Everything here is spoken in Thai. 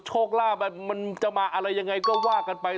โชคลาภมันจะมาอะไรยังไงก็ว่ากันไป